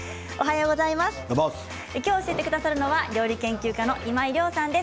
きょう教えてくださるのは料理研究家の今井亮さんです。